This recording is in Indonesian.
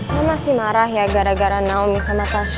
lu masih marah ya gara gara naomi sama tasya